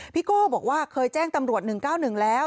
โก้บอกว่าเคยแจ้งตำรวจ๑๙๑แล้ว